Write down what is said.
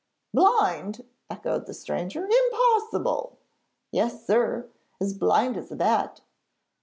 'Blind!' echoed the stranger; 'impossible!' 'Yes, sir, as blind as a bat.'